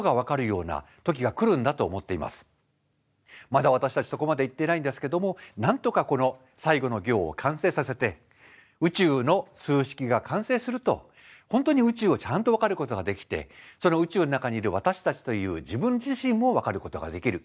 まだ私たちそこまで行ってないんですけどもなんとかこの最後の行を完成させて宇宙の数式が完成すると本当に宇宙をちゃんと分かることができてその宇宙の中にいる私たちという自分自身もわかることができる。